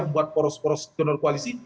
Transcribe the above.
membuat poros poros donor koalisi